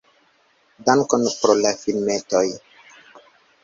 "Dankon pro la filmetoj"!